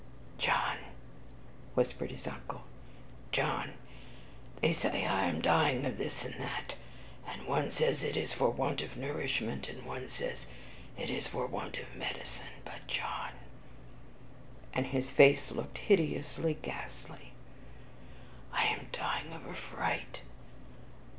"John," whispered his uncle; "John, they say I am dying of this and that; and one says it is for want of nourishment, and one says it is for want of medicine, but, John," and his face looked hideously ghastly, "I am dying of a fright.